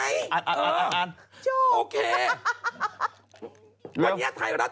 ไอ้โดนฟองมันไม่กลัวหรอก